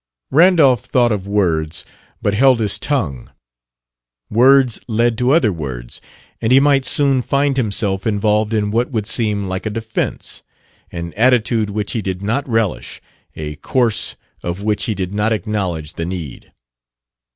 Randolph thought of words, but held his tongue. Words led to other words, and he might soon find himself involved in what would seem like a defense an attitude which he did not relish, a course of which he did not acknowledge the need.